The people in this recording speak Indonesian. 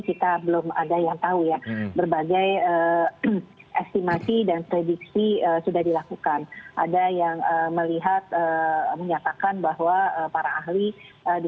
ketika nasional peristirahatan yang c hasta dan saat ini